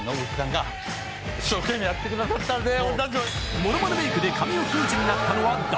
ものまねメイクで神尾楓珠になったのは誰？